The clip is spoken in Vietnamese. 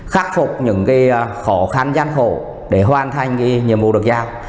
khắc phục những khó khăn gian khổ để hoàn thành nhiệm vụ được giao